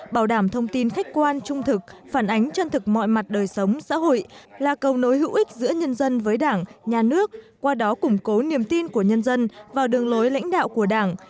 bảo đảm thông tin khách quan trung thực phản ánh chân thực mọi mặt đời sống xã hội là cầu nối hữu ích giữa nhân dân với đảng nhà nước qua đó củng cố niềm tin của nhân dân vào đường lối lãnh đạo của đảng